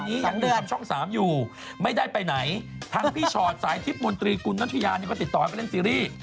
ตอนนี้ยังอยู่ทางช่องสามอยู่ไม่ได้ไปไหนทั้งพี่ชอดสายทิศมนตรีกุณฑิญาณเนี่ยก็ติดต่อไปเล่นซีรีส์